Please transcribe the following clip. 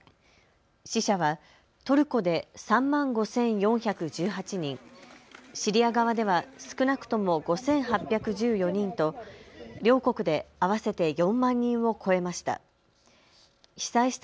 死者はトルコで３万５４１８人、シリア側では少なくとも５８１４人と両国で合わせて４万人を超えました。